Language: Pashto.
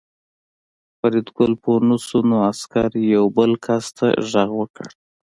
فریدګل پوه نه شو نو عسکر یو بل کس ته غږ وکړ